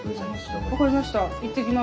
分かりました。